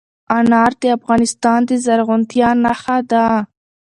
انار د افغانستان د زرغونتیا نښه ده.